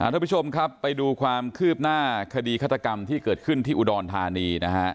ทุกผู้ชมครับไปดูความคืบหน้าคดีฆาตกรรมที่เกิดขึ้นที่อุดรธานีนะฮะ